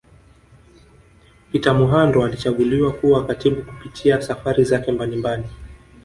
Peter Muhando alichaguliwa kuwa katibu Kupitia Safari zake mbalimbali